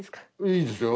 いいですよ。